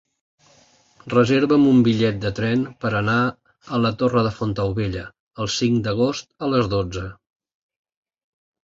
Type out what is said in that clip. Reserva'm un bitllet de tren per anar a la Torre de Fontaubella el cinc d'agost a les dotze.